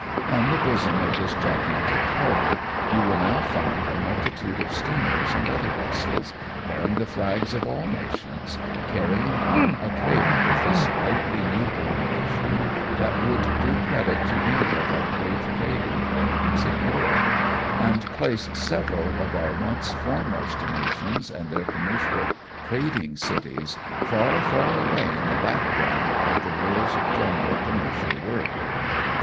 On the bosom of this gigantic harbour you will now find a multitude of steamers and other vessels, bearing the flags of all nations, carrying on a trade with this lately new born nation that would do credit to any of our great trade emporiums in Europe, and place several of our once foremost nations and their commercial trading cities, far far away in the background of the world^s general commercial work.